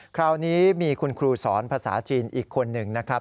คราวนี้มีคุณครูสอนภาษาจีนอีกคนหนึ่งนะครับ